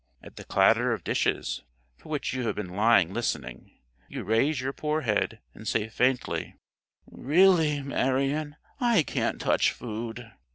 At the clatter of dishes (for which you have been lying listening) you raise your poor head, and say faintly: "Really, Marion, I can't touch food."